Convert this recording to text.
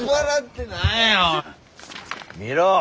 見ろ